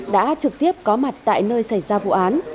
đã trực tiếp có mặt tại nơi xảy ra vụ án